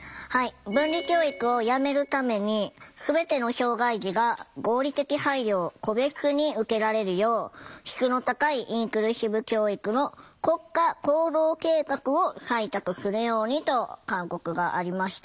分離教育をやめるためにすべての障害児が合理的配慮を個別に受けられるよう質の高いインクルーシブ教育の国家行動計画を採択するようにと勧告がありました。